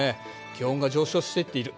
気温が上昇していっている。